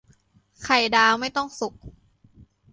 ไข่ดาวไม่ต้องสุก